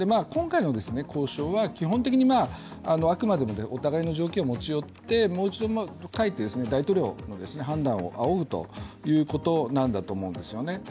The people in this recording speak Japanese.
今回の交渉は基本的にあくまでもお互いの条件を持ち寄ってもう一度、帰って大統領の判断を仰ぐということなんだと思うんですよね。